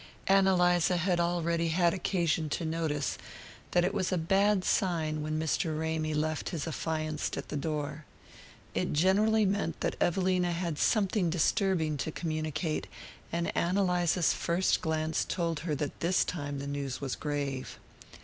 Ann Eliza had already had occasion to notice that it was a bad sign when Mr. Ramy left his affianced at the door. It generally meant that Evelina had something disturbing to communicate, and Ann Eliza's first glance told her that this time the news was grave.